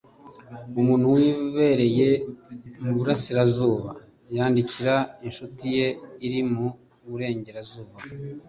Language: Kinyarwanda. umuntu wibereye mu burasirazuba yandikira inshuti ye iri mu burengerazuba